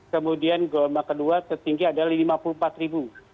kemudian gelombang kedua tertinggi adalah lima puluh empat ribu